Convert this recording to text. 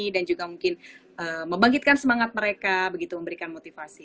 dan juga mungkin membangkitkan semangat mereka begitu memberikan motivasi